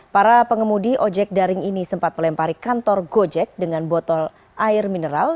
para pengemudi ojek daring ini sempat melempari kantor gojek dengan botol air mineral